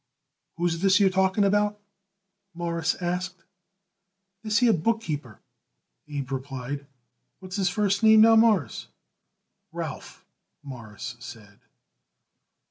"Who's this you're talking about?" Morris asked. "This here bookkeeper," Abe replied. "What's his first name, now, Mawruss?" "Ralph," Morris said.